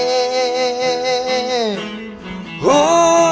มคมค